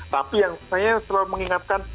tapi yang saya selalu mengingatkan